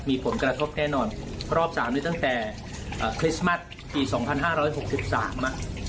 มีผลกระทบแน่นอนรอบสามนี้ตั้งแต่อ่าคริสต์มัสปีสองพันห้าร้อยหกสิบสามอ่ะ